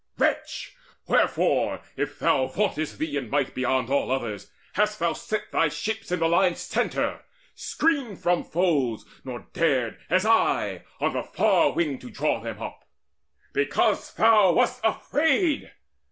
Wretch, wherefore, if thou vauntest thee in might Beyond all others, hast thou set thy ships In the line's centre, screened from foes, nor dared As I, on the far wing to draw them up? Because thou wast afraid!